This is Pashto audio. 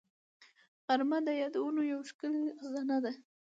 غرمه د یادونو یو ښکلې خزانه ده